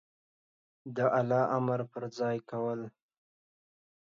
د الله امر په ځای کول